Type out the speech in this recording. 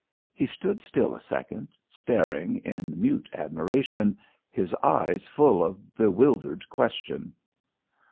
He stood still a second, staring in mute admiration, his eyes full of bewildered question.